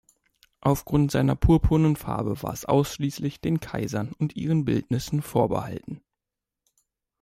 Aufgrund seiner purpurnen Farbe war es ausschließlich den Kaisern und ihren Bildnissen vorbehalten.